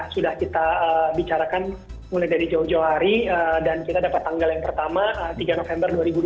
sudah kita bicarakan mulai dari jauh jauh hari dan kita dapat tanggal yang pertama tiga november dua ribu dua puluh